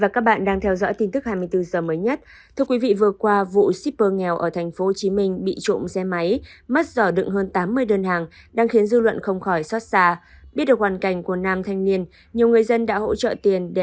cảm ơn các bạn đã theo dõi